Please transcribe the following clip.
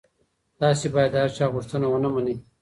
تاسي باید د هر چا غوښتنه ونه منئ.